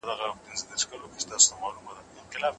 آیا حیات الله کله په خپل ژوند کې د آرام ساه اخیستې؟